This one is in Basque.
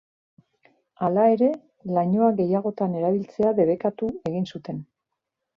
Hala ere, lainoa gehiagotan erabiltzea debekatu egin zuten.